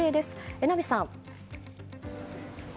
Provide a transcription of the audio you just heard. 榎並さん。